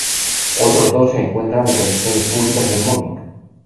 Otros dos se encuentran en colecciones públicas en Munich.